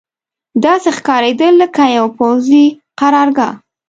داسې ښکارېدل لکه یوه پوځي قرارګاه.